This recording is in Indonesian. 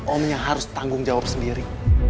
omnya harus tanggung jawab sendiri